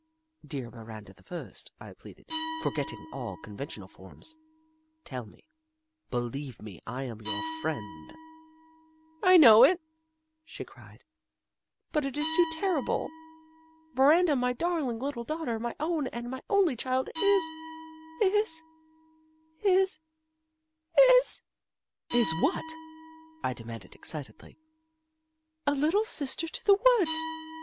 " Dear Miranda the First," I pleaded, for getting all conventional forms, " tell me ! Be lieve me, I am your friend 1" 66 The Book of Clever Beasts " I know it," she cried, " but it is too terri ble ! Miranda, my darling little daughter, my own and only child, is — is — is — is "" Is what ?" I demanded, excitedly. " A Little Sister to the Woods